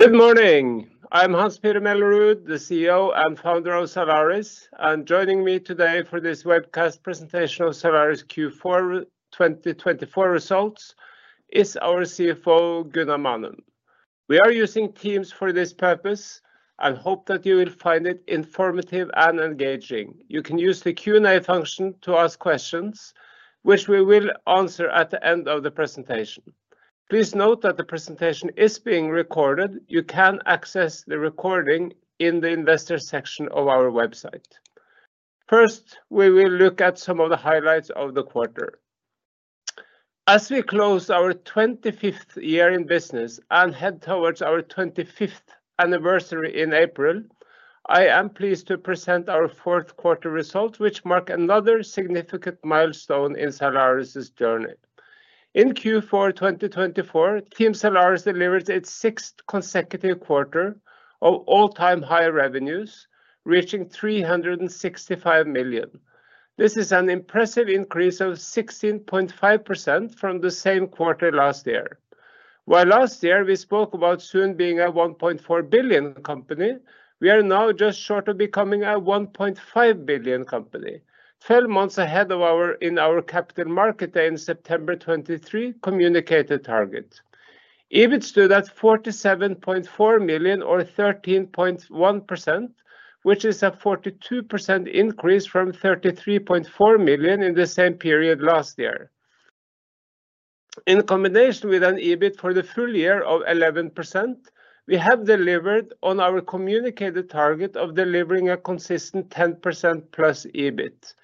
Good morning. I'm Hans-Petter Mellerud, the CEO and founder of Zalaris. Joining me today for this webcast presentation of Zalaris Q4 2024 results is our CFO, Gunnar Manum. We are using Teams for this purpose and hope that you will find it informative and engaging. You can use the Q&A function to ask questions, which we will answer at the end of the presentation. Please note that the presentation is being recorded. You can access the recording in the Investor section of our website. First, we will look at some of the highlights of the quarter. As we close our 25th year in business and head towards our 25th anniversary in April, I am pleased to present our fourth quarter results, which mark another significant milestone in Zalaris's journey. In Q4 2024, Team Zalaris delivered its sixth consecutive quarter of all-time high revenues, reaching 365 million. This is an impressive increase of 16.5% from the same quarter last year. While last year we spoke about soon being a 1.4 billion company, we are now just short of becoming a 1.5 billion company, 12 months ahead of our in our Capital Markets Day in September 2023 communicated target. EBIT stood at 47.4 million, or 13.1%, which is a 42% increase from 33.4 million in the same period last year. In combination with an EBIT for the full year of 11%, we have delivered on our communicated target of delivering a consistent 10% plus EBIT.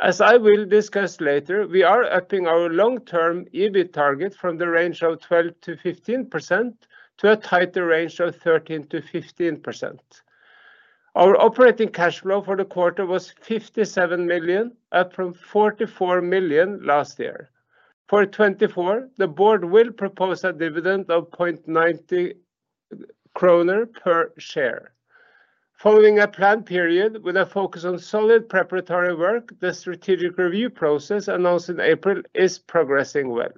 As I will discuss later, we are upping our long-term EBIT target from the range of 12%-15% to a tighter range of 13%-15%. Our operating cash flow for the quarter was 57 million, up from 44 million last year. For 2024, the board will propose a dividend of 0.90 kroner per share. Following a planned period with a focus on solid preparatory work, the strategic review process announced in April is progressing well.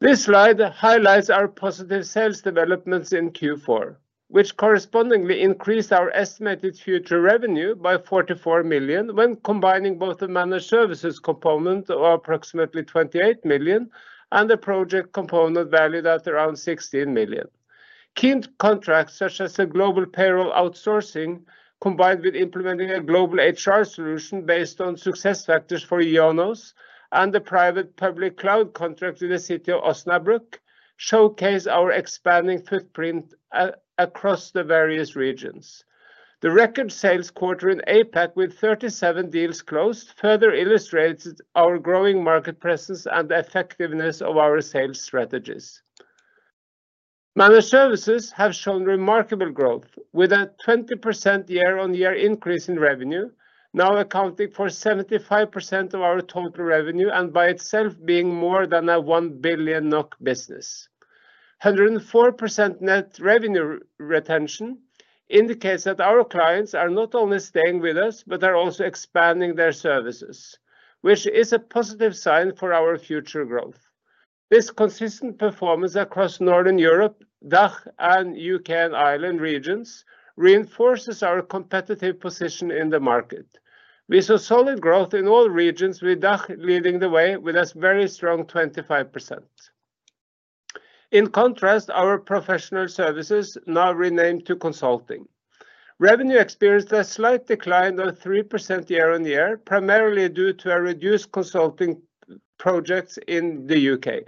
This slide highlights our positive sales developments in Q4, which correspondingly increased our estimated future revenue by 44 million when combining both the Managed S ervices component of approximately 28 million and the project component valued at around 16 million. Key contracts such as the global payroll outsourcing, combined with implementing a global HR solution based on SuccessFactors for IONOS and the private-public cloud contract in the City of Osnabrück, showcase our expanding footprint across the various regions. The record sales quarter in APAC, with 37 deals closed, further illustrates our growing market presence and the effectiveness of our sales strategies. Managed Services have shown remarkable growth, with a 20% year-on-year increase in revenue, now accounting for 75% of our total revenue and by itself being more than an 1 billion NOK business. 104% net revenue retention indicates that our clients are not only staying with us but are also expanding their services, which is a positive sign for our future growth. This consistent performance across Northern Europe, DACH, and U.K. and Ireland regions reinforces our competitive position in the market. We saw solid growth in all regions, with DACH leading the way with a very strong 25%. In contrast, our Professional Services, now renamed to Consulting, revenue experienced a slight decline of 3% year-on-year, primarily due to reduced Consulting projects in the U.K.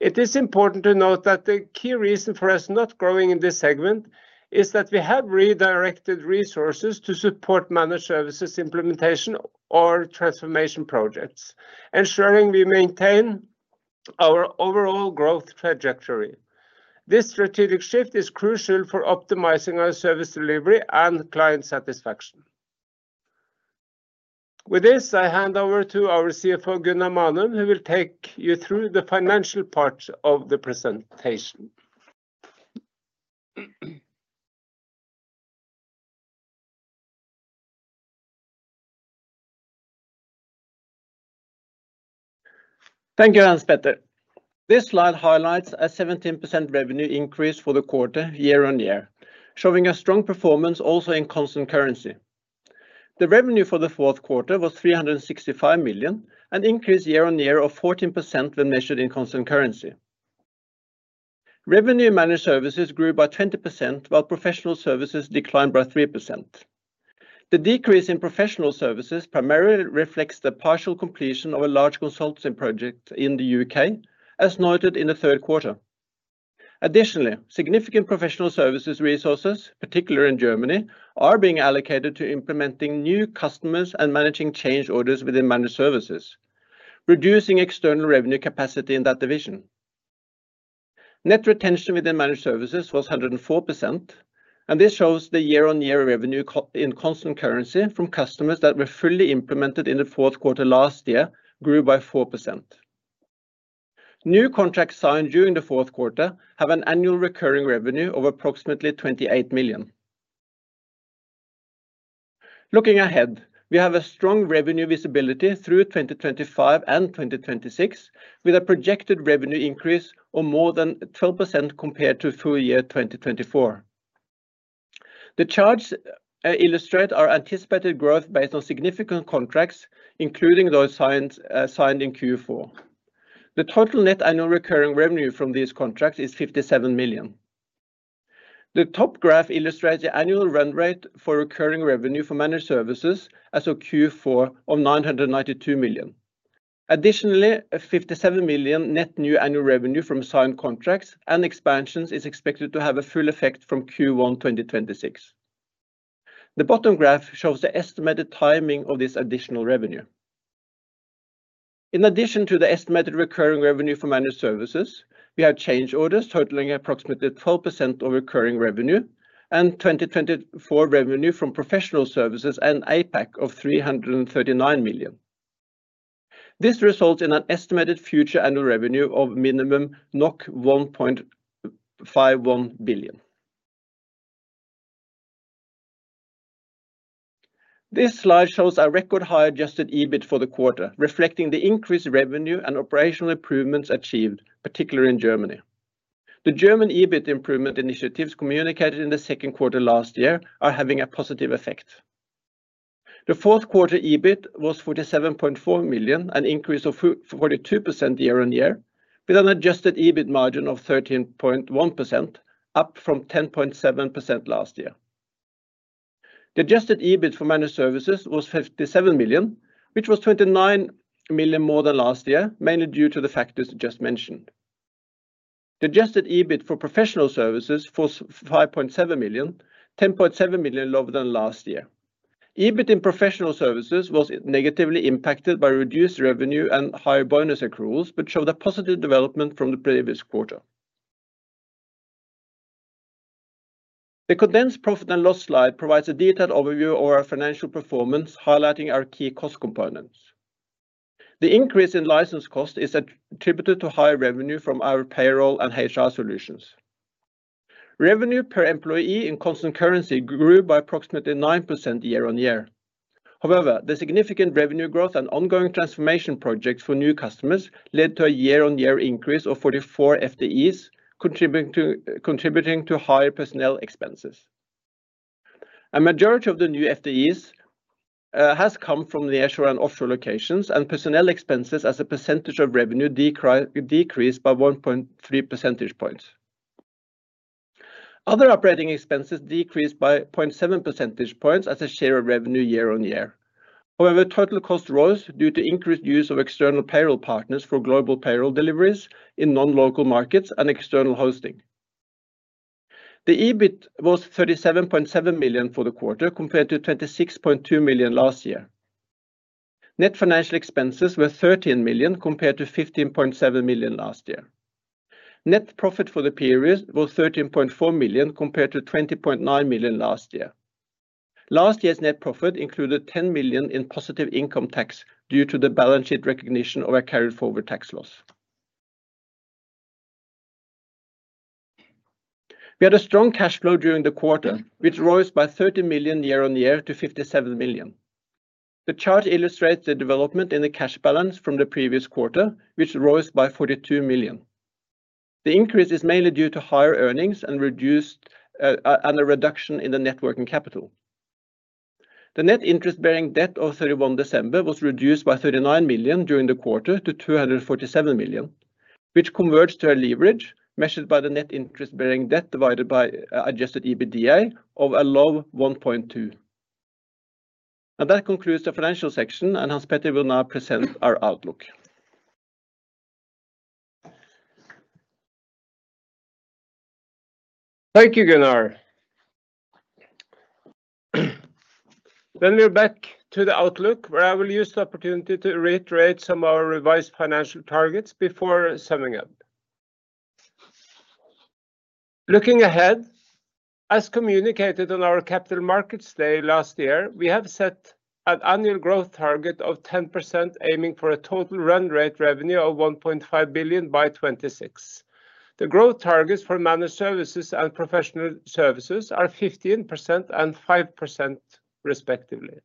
It is important to note that the key reason for us not growing in this segment is that we have redirected resources to support Managed Services implementation or transformation projects, ensuring we maintain our overall growth trajectory. This strategic shift is crucial for optimizing our service delivery and client satisfaction. With this, I hand over to our CFO, Gunnar Manum, who will take you through the financial part of the presentation. Thank you, Hans-Petter. This slide highlights a 17% revenue increase for the quarter year-on-year, showing a strong performance also in constant currency. The revenue for the fourth quarter was 365 million, an increase year-on-year of 14% when measured in constant currency. Revenue in Managed Services grew by 20%, while Professional Services declined by 3%. The decrease in Professional Services primarily reflects the partial completion of a large Consulting project in the U.K., as noted in the third quarter. Additionally, significant Professional Services resources, particularly in Germany, are being allocated to implementing new customers and managing change orders within Managed Services, reducing external revenue capacity in that division. Net retention within Managed Services was 104%, and this shows the year-on-year revenue in constant currency from customers that were fully implemented in the fourth quarter last year grew by 4%. New contracts signed during the fourth quarter have an annual recurring revenue of approximately 28 million. Looking ahead, we have a strong revenue visibility through 2025 and 2026, with a projected revenue increase of more than 12% compared to full year 2024. The charts illustrate our anticipated growth based on significant contracts, including those signed in Q4. The total net annual recurring revenue from these contracts is 57 million. The top graph illustrates the annual run rate for recurring revenue for Managed Services as of Q4 of 992 million. Additionally, 57 million net new annual revenue from signed contracts and expansions is expected to have a full effect from Q1 2026. The bottom graph shows the estimated timing of this additional revenue. In addition to the estimated recurring revenue for Managed Services, we have change orders totaling approximately 12% of recurring revenue and 2024 revenue from Professional Services and APAC of 339 million. This results in an estimated future annual revenue of minimum 1.51 billion. This slide shows our record-high adjusted EBIT for the quarter, reflecting the increased revenue and operational improvements achieved, particularly in Germany. The German EBIT improvement initiatives communicated in the second quarter last year are having a positive effect. The fourth quarter EBIT was 47.4 million, an increase of 42% year-on-year, with an adjusted EBIT margin of 13.1%, up from 10.7% last year. The adjusted EBIT for Managed Services was 57 million, which was 29 million more than last year, mainly due to the factors just mentioned. The adjusted EBIT for Professional Services was 5.7 million, 10.7 million lower than last year. EBIT in Professional Services was negatively impacted by reduced revenue and higher bonus accruals, but showed a positive development from the previous quarter. The condensed profit and loss slide provides a detailed overview of our financial performance, highlighting our key cost components. The increase in license cost is attributed to high revenue from our payroll and HR solutions. Revenue per employee in constant currency grew by approximately 9% year-on-year. However, the significant revenue growth and ongoing transformation projects for new customers led to a year-on-year increase of 44 FTEs, contributing to higher personnel expenses. A majority of the new FTEs has come from nearshore and offshore locations, and personnel expenses as a percentage of revenue decreased by 1.3 percentage points. Other operating expenses decreased by 0.7 percentage points as a share of revenue year-on-year. However, total cost rose due to increased use of external payroll partners for global payroll deliveries in non-local markets and external hosting. The EBIT was 37.7 million for the quarter, compared to 26.2 million last year. Net financial expenses were 13 million compared to 15.7 million last year. Net profit for the period was 13.4 million compared to 20.9 million last year. Last year's net profit included 10 million in positive income tax due to the balance sheet recognition of a carried-forward tax loss. We had a strong cash flow during the quarter, which rose by 30 million year-on-year to 57 million. The chart illustrates the development in the cash balance from the previous quarter, which rose by 42 million. The increase is mainly due to higher earnings and a reduction in the net working capital. The net interest-bearing debt of 31 December was reduced by 39 million during the quarter to 247 million, which converged to a leverage measured by the net interest-bearing debt divided by adjusted EBITDA of a low 1.2. That concludes the financial section, and Hans-Petter will now present our outlook. Thank you, Gunnar. We are back to the outlook, where I will use the opportunity to reiterate some of our revised financial targets before summing up. Looking ahead, as communicated on our Capital Markets Day last year, we have set an annual growth target of 10%, aiming for a total run rate revenue of 1.5 billion by 2026. The growth targets for Managed Services and Professional Services are 15% and 5%, respectively.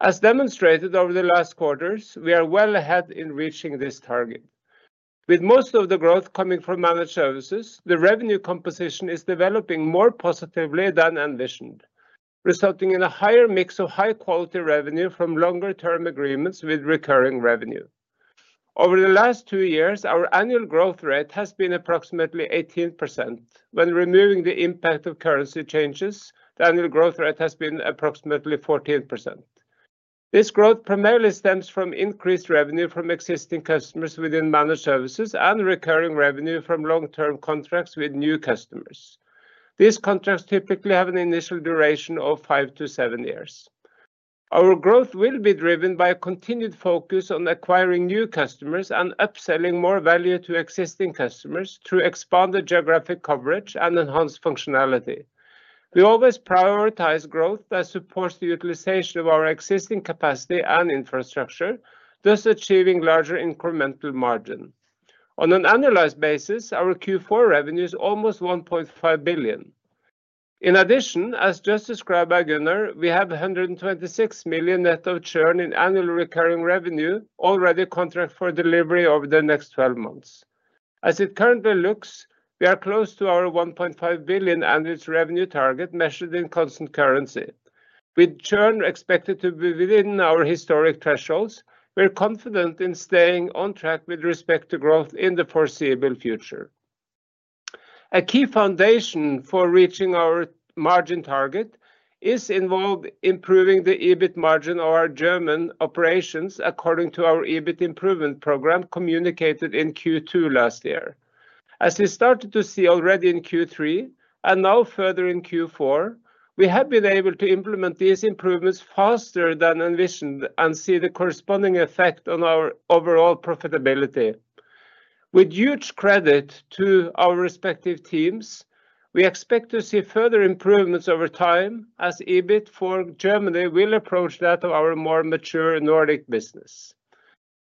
As demonstrated over the last quarters, we are well ahead in reaching this target. With most of the growth coming from Managed Services, the revenue composition is developing more positively than envisioned, resulting in a higher mix of high-quality revenue from longer-term agreements with recurring revenue. Over the last two years, our annual growth rate has been approximately 18%. When removing the impact of currency changes, the annual growth rate has been approximately 14%. This growth primarily stems from increased revenue from existing customers within Managed Services and recurring revenue from long-term contracts with new customers. These contracts typically have an initial duration of five to seven years. Our growth will be driven by a continued focus on acquiring new customers and upselling more value to existing customers through expanded geographic coverage and enhanced functionality. We always prioritize growth that supports the utilization of our existing capacity and infrastructure, thus achieving larger incremental margin. On an annualized basis, our Q4 revenue is almost 1.5 billion. In addition, as just described by Gunnar, we have 126 million net of churn in annual recurring revenue, already contract for delivery over the next 12 months. As it currently looks, we are close to our 1.5 billion annual revenue target measured in constant currency. With churn expected to be within our historic thresholds, we're confident in staying on track with respect to growth in the foreseeable future. A key foundation for reaching our margin target is involved in improving the EBIT margin of our German operations according to our EBIT improvement program communicated in Q2 last year. As we started to see already in Q3 and now further in Q4, we have been able to implement these improvements faster than envisioned and see the corresponding effect on our overall profitability. With huge credit to our respective teams, we expect to see further improvements over time as EBIT for Germany will approach that of our more mature Nordic business.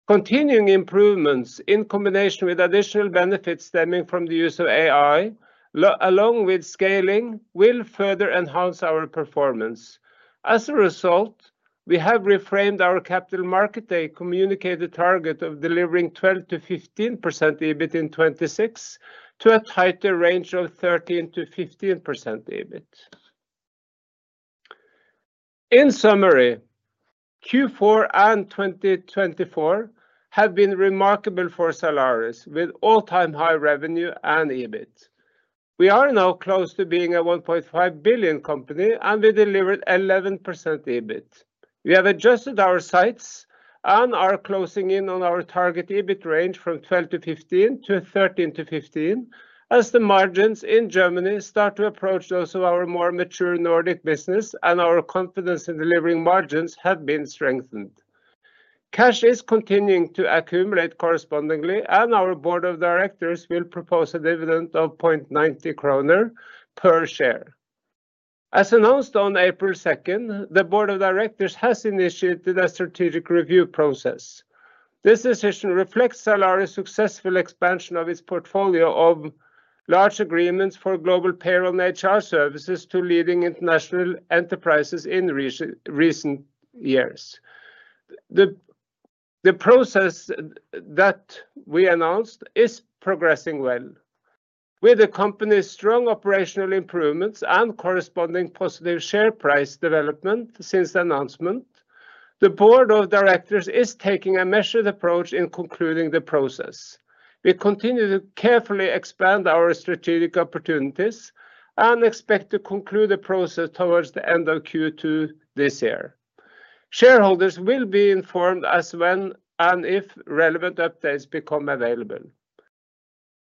Continuing improvements in combination with additional benefits stemming from the use of AI, along with scaling, will further enhance our performance. As a result, we have reframed our capital market day communicated target of delivering 12%-15% EBIT in '26 to a tighter range of 13%-15% EBIT. In summary, Q4 and 2024 have been remarkable for Zalaris, with all-time high revenue and EBIT. We are now close to being a 1.5 billion company, and we delivered 11% EBIT. We have adjusted our sites and are closing in on our target EBIT range from 12%-15% to 13%-15% as the margins in Germany start to approach those of our more mature Nordic business, and our confidence in delivering margins have been strengthened. Cash is continuing to accumulate correspondingly, and our Board of Directors will propose a dividend of 0.90 kroner per share. As announced on April 2, the Board of Directors has initiated a strategic review process. This decision reflects Zalaris' successful expansion of its portfolio of large agreements for global payroll and HR services to leading international enterprises in recent years. The process that we announced is progressing well. With the company's strong operational improvements and corresponding positive share price development since the announcement, the Board of Directors is taking a measured approach in concluding the process. We continue to carefully expand our strategic opportunities and expect to conclude the process towards the end of Q2 this year. Shareholders will be informed as when and if relevant updates become available.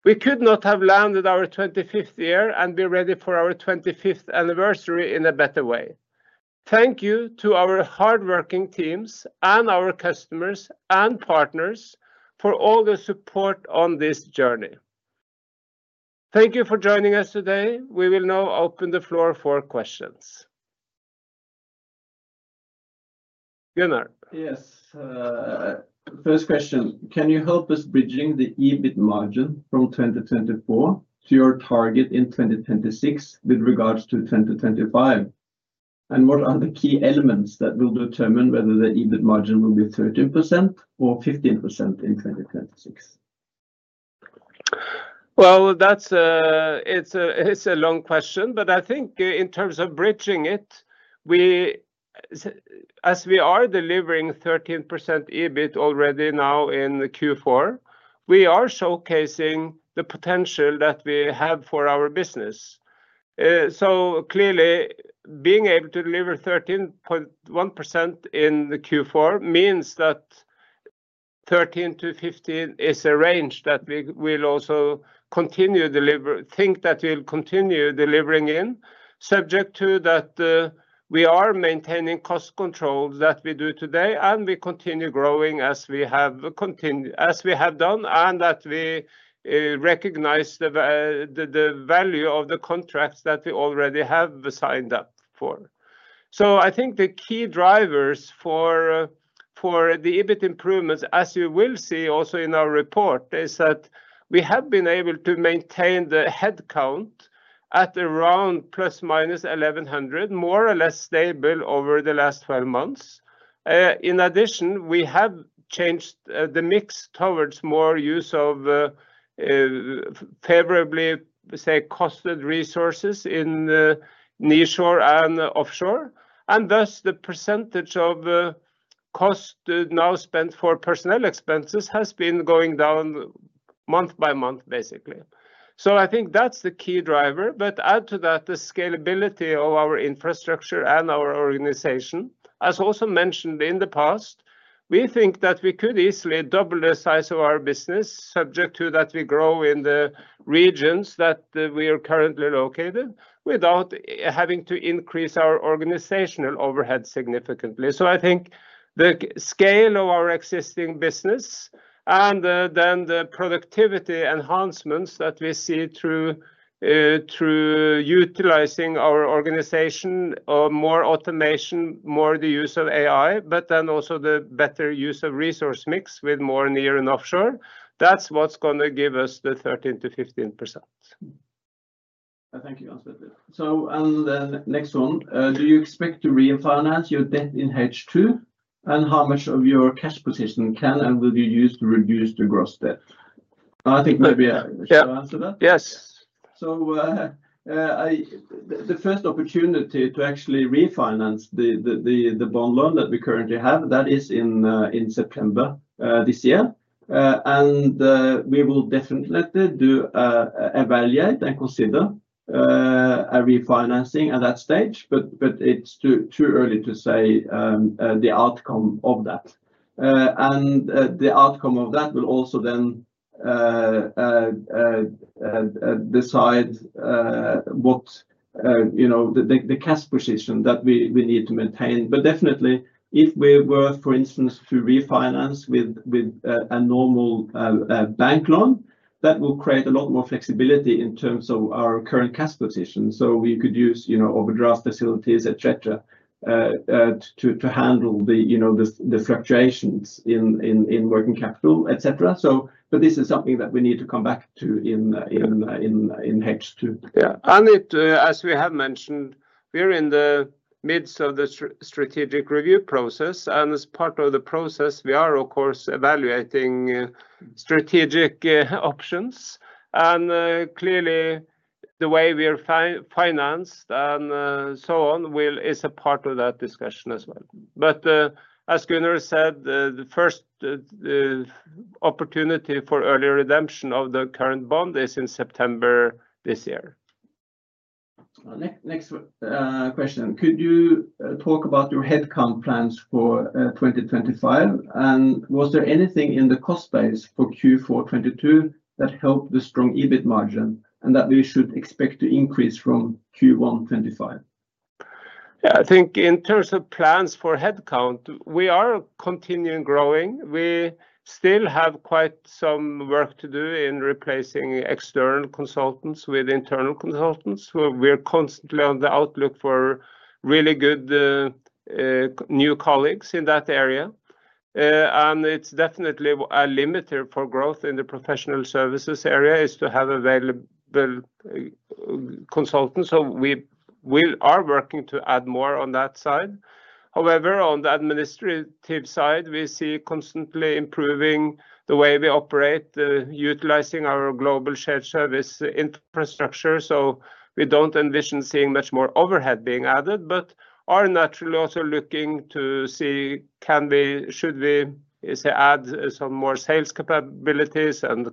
We could not have landed our 25th year and be ready for our 25th anniversary in a better way. Thank you to our hardworking teams and our customers and partners for all the support on this journey. Thank you for joining us today. We will now open the floor for questions. Gunnar. Yes. First question. Can you help us bridging the EBIT margin from 2024 to your target in 2026 with regards to 2025? What are the key elements that will determine whether the EBIT margin will be 13% or 15% in 2026? That is a long question, but I think in terms of bridging it, as we are delivering 13% EBIT already now in Q4, we are showcasing the potential that we have for our business. Clearly, being able to deliver 13.1% in Q4 means that 13%-15% is a range that we will also continue to deliver, think that we will continue delivering in, subject to that we are maintaining cost controls that we do today, and we continue growing as we have done, and that we recognize the value of the contracts that we already have signed up for. I think the key drivers for the EBIT improvements, as you will see also in our report, is that we have been able to maintain the headcount at around plus minus 1,100, more or less stable over the last 12 months. In addition, we have changed the mix towards more use of favorably, say, costed resources in nearshore and offshore, and thus the percentage of cost now spent for personnel expenses has been going down month by month, basically. I think that's the key driver, but add to that the scalability of our infrastructure and our organization. As also mentioned in the past, we think that we could easily double the size of our business, subject to that we grow in the regions that we are currently located without having to increase our organizational overhead significantly. I think the scale of our existing business and then the productivity enhancements that we see through utilizing our organization, more automation, more the use of AI, but then also the better use of resource mix with more near and offshore, that's what's going to give us the 13%-15%. Thank you, Hans-Petter. The next one, do you expect to refinance your debt in H2, and how much of your cash position can and will you use to reduce the gross debt? I think maybe I should answer that. Yes. The first opportunity to actually refinance the bond loan that we currently have, that is in September this year, and we will definitely do, evaluate and consider a refinancing at that stage. It is too early to say the outcome of that. The outcome of that will also then decide what the cash position that we need to maintain. Definitely, if we were, for instance, to refinance with a normal bank loan, that will create a lot more flexibility in terms of our current cash position. We could use overdraft facilities, etc., to handle the fluctuations in working capital, etc. This is something that we need to come back to in H2. Yeah. As we have mentioned, we're in the midst of the strategic review process, and as part of the process, we are, of course, evaluating strategic options. Clearly, the way we are financed and so on is a part of that discussion as well. As Gunnar said, the first opportunity for early redemption of the current bond is in September this year. Next question. Could you talk about your headcount plans for 2025, and was there anything in the cost base for Q4 '22 that helped the strong EBIT margin and that we should expect to increase from Q1 2025? Yeah, I think in terms of plans for headcount, we are continuing growing. We still have quite some work to do in replacing external consultants with internal consultants. We're constantly on the outlook for really good new colleagues in that area. It's definitely a limiter for growth in the Professional Services area is to have available consultants. We are working to add more on that side. However, on the administrative side, we see constantly improving the way we operate, utilizing our global shared service infrastructure. We don't envision seeing much more overhead being added, but are naturally also looking to see can we, should we, say, add some more sales capabilities and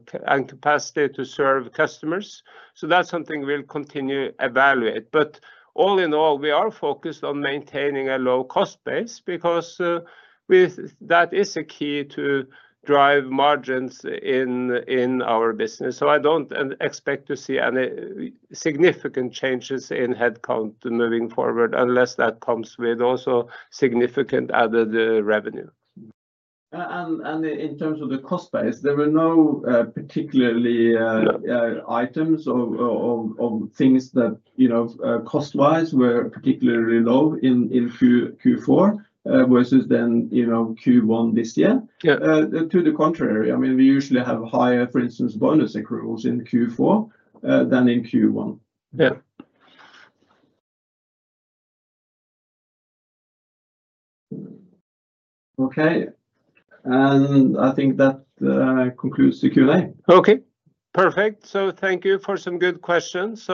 capacity to serve customers. That's something we'll continue to evaluate. All in all, we are focused on maintaining a low cost base because that is a key to drive margins in our business. I don't expect to see any significant changes in headcount moving forward unless that comes with also significant added revenue. In terms of the cost base, there were no particular items or things that cost-wise were particularly low in Q4 versus then Q1 this year. To the contrary, I mean, we usually have higher, for instance, bonus accruals in Q4 than in Q1. Yeah. Okay. I think that concludes the Q&A. Okay. Perfect. Thank you for some good questions.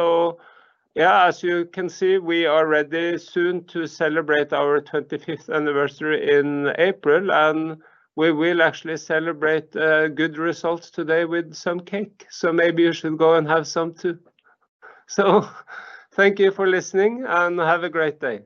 As you can see, we are ready soon to celebrate our 25th anniversary in April, and we will actually celebrate good results today with some cake. Maybe you should go and have some too. Thank you for listening and have a great day.